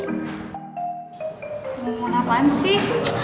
pengumuman apaan sih